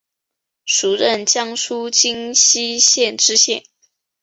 署任江苏荆溪县知县。